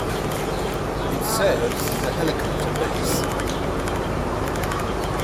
It serves as a helicopter base.